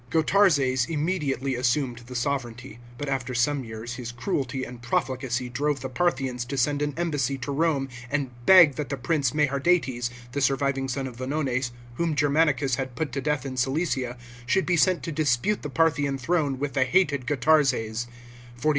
§ 3. Gotarzes immediately assumed the sovranty, but after some years his cruelty and profligacy drove the Parthians to send an embassy to Rome and be^ that the prince Meherdates, the surviving son of Vonones, whom Germanicus had put to death in Cilicia, should be sent to dispute the Parthian throne with the hated Gotarzes (49 A.